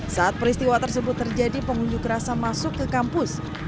saat peristiwa tersebut terjadi pengunjuk rasa masuk ke kampus